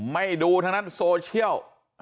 ไม่ดูทั้งนั้นโซเชียล